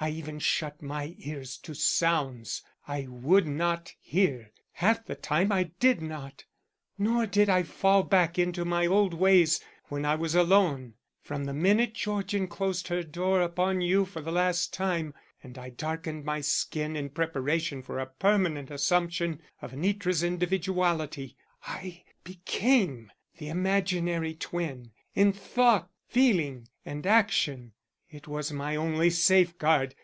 I even shut my ears to sounds; I would not hear; half the time I did not. Nor did I fall back into my old ways when I was alone. From the minute Georgian closed her door upon you for the last time, and I darkened my skin in preparation for a permanent assumption of Anitra's individuality, I became the imaginary twin, in thought, feeling, and action. It was my only safeguard.